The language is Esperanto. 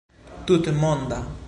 tutmonda